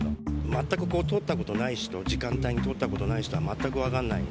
全く通ったことない人、時間帯に通ったことがない人は、全く分かんない。